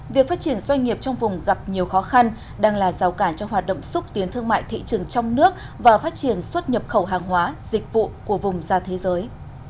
việc phát triển doanh nghiệp trong vùng gặp nhiều khó khăn đang là rào cản cho hoạt động xúc tiến thương mại thị trường trong nước và phát triển xuất nhập khẩu hàng hóa dịch vụ của vùng ra thế giới